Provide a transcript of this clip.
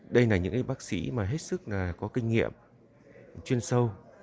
đây là những bác sĩ mà hết sức có kinh nghiệm chuyên sâu